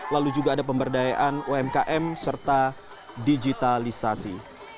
lalu juga ada pemberdayaan umkm serta digitalisasi